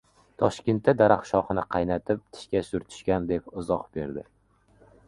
Toshkentda daraxt shoxini qaynatib, tishga surtishgan», deb izoh berdi.